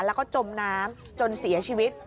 แล้วก็จมน้ำจนเสียชีวิต